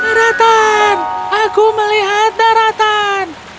daratan aku melihat daratan